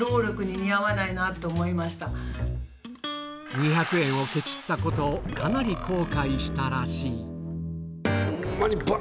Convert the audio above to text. ２００円をケチったことをかなり後悔したらしいホンマに。